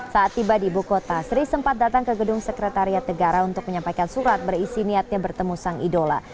saat tiba di ibu kota sri sempat datang ke gedung sekretariat negara untuk menyampaikan surat berisi niatnya bertemu sang idola